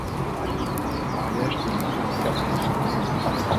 Ce mariage donnera quatre enfants.